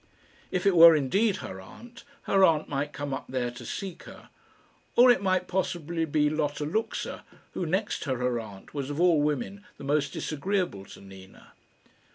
If it were indeed her aunt, her aunt might come up there to seek her. Or it might possibly be Lotta Luxa, who, next to her aunt, was of all women the most disagreeable to Nina.